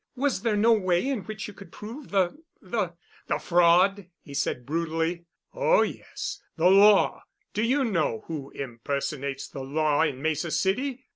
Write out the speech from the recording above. "Was there no way in which you could prove the—the——" "The fraud?" he said brutally. "Oh, yes. The Law! Do you know who impersonates the Law in Mesa City?